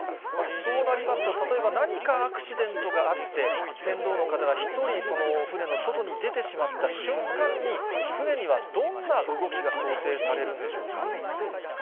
そうなりますと、例えば何かアクシデントがあって、船頭の方が１人、船の外に出てしまった瞬間に、船にはどんな動きが想定されるんでしょうか。